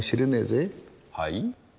はい？